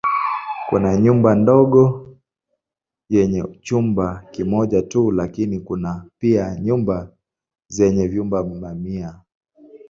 Kuna nyumba ndogo yenye chumba kimoja tu lakini kuna pia nyumba zenye vyumba mamia.